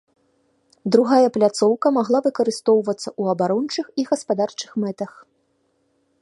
Другая пляцоўка магла выкарыстоўвацца ў абарончых і гаспадарчых мэтах.